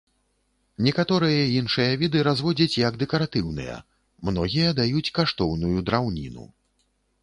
Некаторыя іншыя віды разводзяць як дэкаратыўныя, многія даюць каштоўную драўніну.